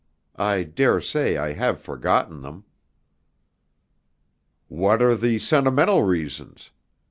I daresay I have forgotten them." "What are the sentimental reasons?"